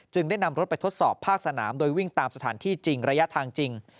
ได้นำรถไปทดสอบภาคสนามโดยวิ่งตามสถานที่จริงระยะทางจริง